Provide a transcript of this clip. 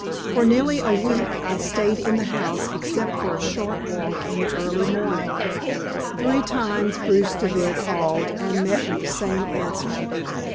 For nearly a week I stayed in the house except for a short walk in the early morning. Three times Bruce Deville called, and met with the same answer.